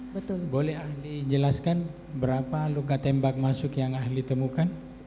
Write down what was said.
betul boleh ahli jelaskan berapa luka tembak masuk yang ahli temukan